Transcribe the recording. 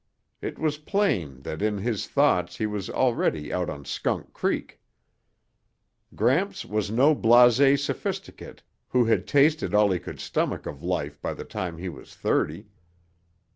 It was plain that in his thoughts he was already out on Skunk Creek. Gramps was no blasé sophisticate who had tasted all he could stomach of life by the time he was thirty.